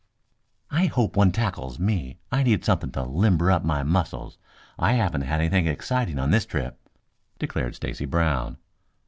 "I hope one tackles me. I need something to limber up my muscles. I haven't had anything exciting on this trip," declared Stacy Brown.